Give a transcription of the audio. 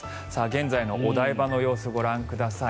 現在のお台場の様子ご覧ください。